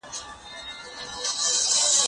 زه اوس کتابونه وړم؟!